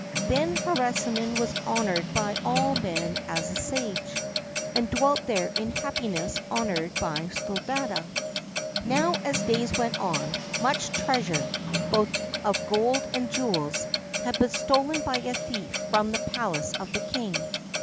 Then Harisarman was honored by all men as a sage, and dwelt there in happiness, honored by Sthuladatta. Now, as days went on, much treasure, both of gold and jewels, had been stolen by a thief from the palace of the king.